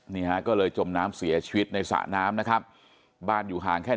นี่ฮะก็เลยจมน้ำเสียชีวิตในสระน้ำนะครับบ้านอยู่ห่างแค่